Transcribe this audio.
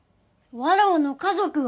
わらわの家族は！